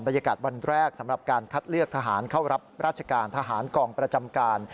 บรรยากาศวันแรกสำหรับการคัดเลือกทหารเข้ารับราชการทหารกองประจำการ